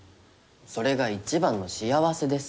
それが一番の幸せです。